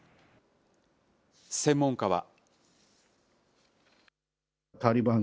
専門家は。